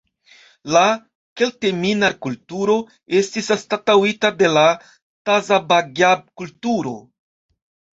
La Kelteminar-kulturo estis anstataŭita de la Tazabagjab-kulturo.